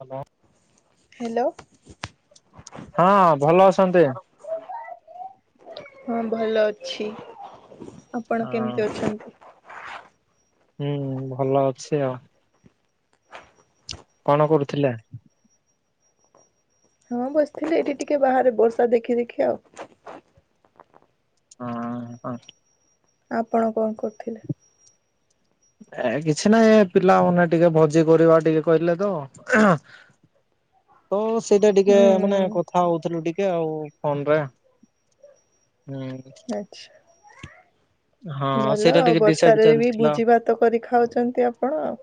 Hello. Hello. ହଁ ଭଲ ଅଛନ୍ତି। ହଁ ଭଲ ଅଛି ଆପଣ କେମିତି ଅଛନ୍ତି? ହୁଁ ଭଲ ଅଛି ଆଉ। କଣ କରୁଥିଲା? ହଁ ବସିଥିଲି ଏଇଠି ଟିକେ ବାହାରେ ବର୍ଷା ଦେଖି ଦେଖି ଆଉ। ହଁ - ହଁ। ଆପଣ କଣ କରୁଥିଲେ? ଏ କିଛି ନାହିଁ ପିଲାମାନେ ଟିକେ ଭୋଜି କରିବା ଟିକେ କହିଲେ ତ। ତ ସେଇଟା ଟିକେ ହୁଁ ମାନେ କଥା ହଉଥିଲୁ ଟିକେ ଆଉ ହଁ ବା। ହୁଁ। ଆଚ୍ଛା!। ହଁ ଭଲ ସେଇଟା ଆଉ ଟିକେ ଡିସାଇଡ ବର୍ଷାରେ ବି ଚାଲିଥିଲା। ଭୋଜି ଭାତ କରି ଖାଉଛନ୍ତି ଆପଣ ଆଉ।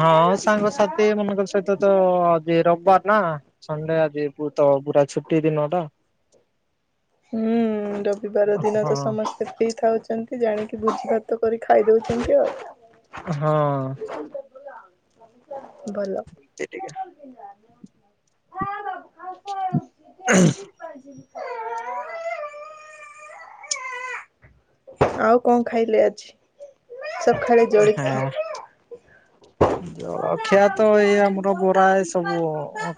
ହଁ ସାଙ୍ଗସାଥି ମାନଙ୍କ ସହିତ ତ ଆଜି ରବିବାର ନା? ସଣ୍ଡେ ଆଜି ପୂ ତ ପୁରା ଛୁଟି ଦିନ ଟା। ହୁଁ। ରବିବାର ଦିନ ହଁ ତ ସମସ୍ତେ ସେତିକି ଥାଉଛନ୍ତି ଜାଣିକି ଭୋଜି ଭାତ କରି ଖାଇଦଉଛନ୍ତି ଆଉ ହଁ। ଭଲ। ଏଠିକି ଆ। ଏ ବାବୁ [inaudible] ଖ ଅ ଖ [inaudible] [inaudible] [inaudible] ଆଉ କଣ ଖାଇଲେ ଆଜି? ଆରେ ଜଳଖିଆ। ଜଳ ଖିଆ ତ ଏଇ ଆମର ବରା ଏ ସବୁ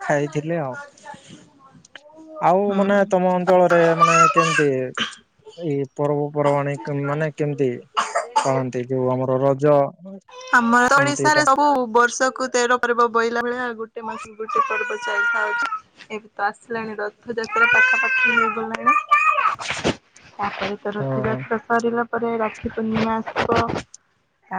ଖାଇଥିଲି ଆଉ ଚା ଆଉ ମାନେ ତମ ଅଞ୍ଚଳରେ ମାନେ କେମିତି? ଏଇ ପର୍ବପର୍ବାଣି। କାଲି ମାନେ କେମିତି [inaudible] ପାଳନ୍ତି। ଯୋଉ ଆମର ରଜ। ଆମର ଓଡିଶାରେ ଏମିତିଟା ସବୁ ବର୍ଷ କୁ ତେର ପର୍ବ ବୋଇଲା ଭଳିଆ ଗୋଟେ ମାସ ଗୋଟେ ପର୍ବ ଚାଲିଥାଉଛି। ଏବେ ତ ଆସିଲାଣି ରଥଯାତ୍ରା ପାଖାପାଖି ହେଇ ଗଲାଣି। ତାପରେ ତ ହଁ ରଥଯାତ୍ରା ସରିଲା ପରେ ରାକ୍ଷୀ ପୂର୍ଣ୍ଣମା ଆସିବ।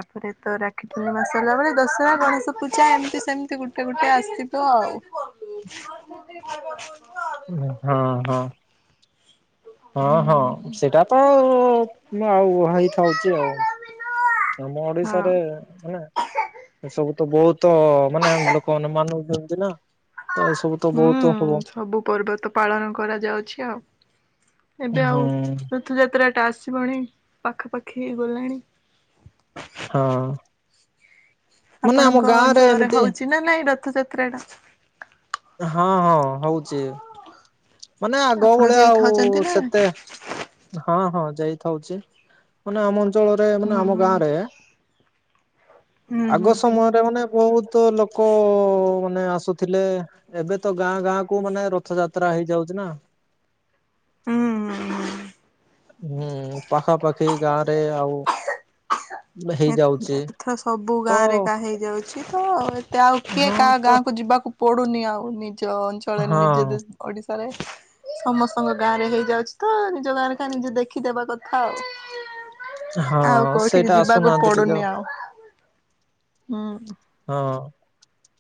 ତାପରେ ତ ରାକ୍ଷୀ ପୂର୍ଣ୍ଣିମାସରିଲା ବେଳେ ଦଶହରା, ଗଣେଶ ପୂଜା ଏମିତି ସେମିତି ଗୋଟେ ଗୋଟେ ଆସିବ ଆଉ। [inaudible] [inaudible] ହଁ - ହଁ। ହଁ - ହଁ ସେଇଟା ତ ଆଉ ଆଉ ହେଇଥାଉଛି ଆଉ। ଆମ ଓଡିଶାରେ ମାନେ ଏସବୁ ତ ବହୁତ ମାନେ ଆମ ଲୋକମାନେ ମାନୁଛନ୍ତି ନା। ଆ ଏ ସବୁ ତ ହଁ ବହୁତ ଅପବ ହୁଁ ସବୁ ପର୍ବ ତ ପାଳନ କରାଯାଉଛି ଆଉ। [inaudible] ଏବେ ହୁଁ ଆଉ [inaudible] ତୋ। ରଥଯାତ୍ରାଟା ଆସିବଣି। [inaudible] ପାଖାପାଖି ହେଇ ଗଲାଣି। ହଁ। [inaudible] ମୁଁ ନା ଆମ ଗାଁ ରେ ଏମିତି ଚିନେ ନାଇଁ ରଥଯାତ୍ରା ଟା। ହଁ- ହଁ ହଉଚି [inaudible] ମାନେ ଆଗ ଆପଣ ଭଳିଆ ଆଉ ଯାଇଥାଉଛନ୍ତି ନା? ସେତେ ହଁ - ହଁ ଯାଇଥାଉଛି। [inaudible] ମାନେ ଆମ ଭିତ ଅତଳରେ ମାନେ ହୁଁ ଆମ ହୁଁ ଗାଁରେ ହୁଁ [inaudible] ହୁଁ ଆଗ ହୁଁ। ସମୟରେ ମାନେ ବହୁତ ଲୋ କ ମାନେ ଆସୁଥିଲେ। ଏବେ ତ ଗାଁ ଗାଁ କୁ ମାନେ ରଥଯାତ୍ରା ହେଇଯାଉଛି ନା। ହୁଁ - ହୁଁ ହୁଁ ପାଖାପାଖି ଗାଁ ରେ ଆଉ ଏ ହେଇଯାଉଛି ଏଥର ସବୁ ତ ଗାଁ ରେ ଏକା ହେଇଯାଉଛି ତ ଏତେ ଆଉ କିଏ ହଁ କାହା ତ ଗାଁ କୁ ଯିବାକୁ ପୋଡୁନି ଆଉ ନିଜ ଅଞ୍ଚଳରେ ହଁ ନିଜ ଦେ ଓଡ଼ିଶାରେ। ସମସ୍ତଙ୍କ ଗାଁରେ ହେଇଯାଉଛି ତ ନିଜ ଗାଁରେ ଖାଁ ନିଜେ ଦେଖିଦବା କଥା ଆଉ। ହଁ ଆଉ କୋଉଠିକି ସେଇଟା ଯିବାକୁ ଆସୁନାହାନ୍ତି ଟିକେ ପଡୁନି ଆଉ। ଆଉ। ହୁଁ ହୁ। ହଁ।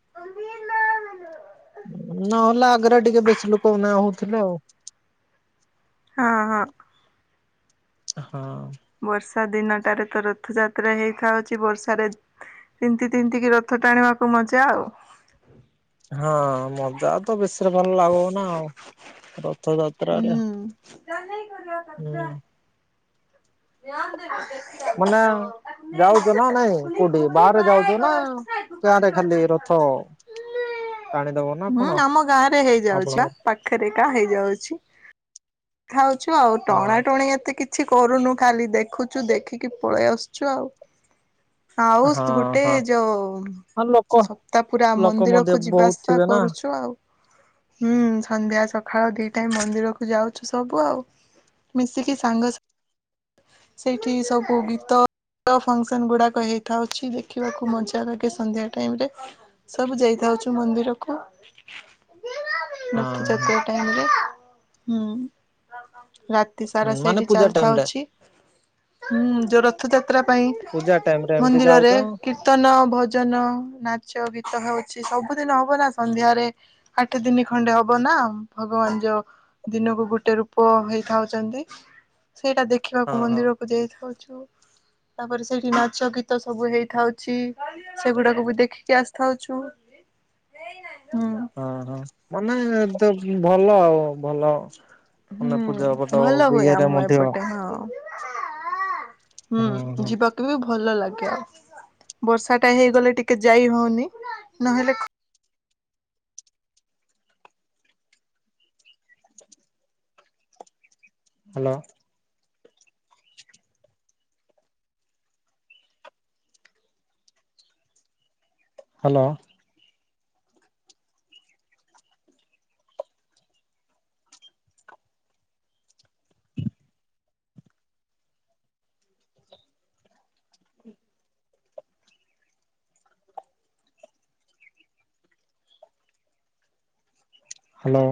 [unintelligible] ନହେଲେ ଆଗେରେ ଟିକେ ବେଶୀ ଲୋକ ନା ହଉଥିଲେ ଆଉ। ହଁ ହଁ। ହଁ। ବର୍ଷା ଦିନଟାରେ ତ ରଥଯାତ୍ରା ହେଇଥାଉଛି ବର୍ଷାରେ ତିନ୍ତି ତିନ୍ତିକି ରଥ ଟାଣିବାକୁ ମଜା ଆଉ। ହଁ ମଜା ତ ବେଶୀର୍ ଭଲ୍ ଲାଗୋବ ନା ଆଉ। ରଥଯାତ୍ରାରେ ହୁଁ ହୁଁ। [unintelligible] ମନା ଯାଉଛ ନା ନାଇଁ କୋଉଠି ବାହାରେ ଯାଉଛ ନା ଗାଁ ରେ ଖାଲି ରଥ? ଟାଣିଦବ ନା କଣ ହୁଁ ଆମ ଗାଁ ରେ ହେଇଯାଉଛି ପା ଆପଣଙ୍କର? ପାଖେରେ ଏକା ହେଇଯାଉ ଛି ଖାଉଛୁ ଆଉ ଟଣା ଟ ହଁ ପୁଣି ଏତେ କିଛି କରୁନୁ ଖାଲି ଦେଖୁଛୁ ଦେଖିକି ପଳେଇ ଆସୁଛୁ ଆଉ। ହଁ ହାଉସ୍ ଗୁଟେ ହଁ ଯଉ। ହଁ ଲୋକ ସପ୍ତା ପୁରା ଲୋକ ମନ୍ଦିର ମଧ୍ୟ କୁ ଯିବା ବହୁତ ଆସିବା ଥିବେ ନା କରୁଛୁ ଆଉ। ହୁଁ ସନ୍ଧ୍ୟା ସକାଳ ଦି ଟାଇମ୍ ମନ୍ଦିରକୁ ଯାଉ ଛୁ ସବୁ ଆଉ ମିଶିକି ସାଙ୍ଗସା ସେଇଠି ସବୁ ଗୀତ ତ ଫଙ୍କସନ୍ ଗୁଡାକ ହେଇଥାଉଛି ଦେଖିବାକୁ ମଜା ଲାଗେ ସନ୍ଧ୍ୟା ଟାଇମ୍ ରେ। ସବୁ ଯେଇଥାଉଛୁ ମନ୍ଦିରକୁ। [inaudible] ହଁ ନଖିଯାତିଆ ଟାଇମ୍ ରେ ହୁଁ। ରାତି ସାରା ମାନେ ସେଇଠି ପୂଜା ଚାଲ୍ଥା ଟାଇମ ରେ ଅଛି ହୁଁ ଯଉ ର ଥଯାତ୍ରା ପାଇଁ ପୂଜା ଟାଇମ ରେ ଏମିତି ଯାଉଛ ମନ୍ଦିରରେ କି ତନ ଭଜନ ନାଚ ଗୀତ ହଉଛି ସବୁଦିନ ହବ ନା ସନ୍ଧ୍ୟାରେ। ଆଠ ଦିନ୍ ଖଣ୍ଡେ ହବ ନା ଭଗବାନ୍ ଯଉ ଦିନକୁ ଗୋ ଟେ ରୂପ ହେଇଖାଉଛନ୍ତି ସେଇଟା ହଁ ଦେଖିବାକୁ ହଁ ମନ୍ଦିରକୁ ଯାଇଥାଉଛୁ। ତାପରେ ସେଇଠି ନାଚ ଗୀତ ସବୁ ହେଇଥାଉଛି। ସେଗୁଡାକୁ ବି ଦେଖିକି ଆସ୍ଥାଉଛୁ ହୁଁ। ହଁ ହଁ ମାନେ ତ ଭଲ ଆଉ ଭଲ। ମାନେ ହୁଁ ପୂଜା ପଟ ଭଲ ହୁଏ ଇଏରେ ଆମ ମଧ୍ୟ ଏପଟେ ହଁ। ହୁଁ ହଁ ଯିବକ୍ ମତେ ବି ଭଲ ଲାଗେ ଆ ବର୍ଷା ଟା ହେଇଗଲେ ଟିକେ ଯାଇ ହଉନି ନହେଲେ ହାଲୋ। ହାଲୋ। ହାଲୋ।